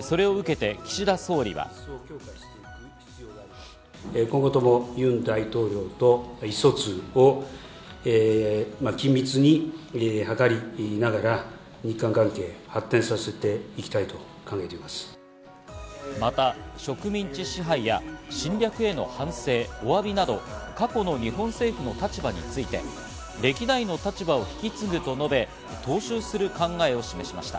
それを受けて岸田総理は。また、植民地支配や侵略への反省、お詫びなど、過去の日本政府の立場について、歴代の立場を引き継ぐと述べ、踏襲する考えを示しました。